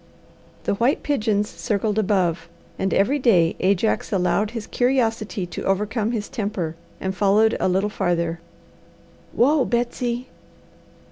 The white pigeons circled above, and every day Ajax allowed his curiosity to overcome his temper, and followed a little farther. "Whoa, Betsy!"